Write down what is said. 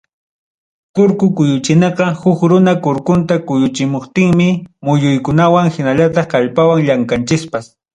Kurku kuyuchinaqa, huk runa kurkunta kuyuchimuptinmi, muyuykunawan hinallataq kallpawan llamkachispa.